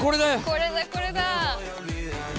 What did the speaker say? これだこれだ！